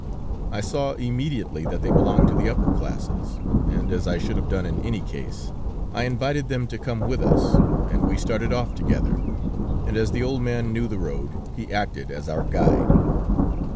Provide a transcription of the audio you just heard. I saw immediately that they belonged to the upper classes, and, as I should have done in any case, I invited them to come with us, and we started off together, and as the old man knew the road, he acted as our guide.